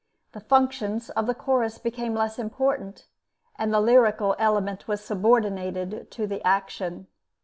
The functions of the chorus became less important, and the lyrical element was subordinated to the action.